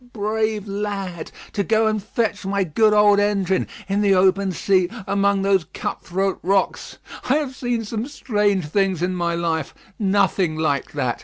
Brave lad! To go and fetch my good old engine. In the open sea, among those cut throat rocks. I have seen some strange things in my life; nothing like that.